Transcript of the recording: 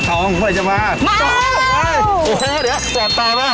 ทองเวลาจะมามาแล้วมาแล้วเดี๋ยวเดี๋ยวแสบตายมาก